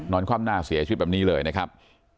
คว่ำหน้าเสียชีวิตแบบนี้เลยนะครับ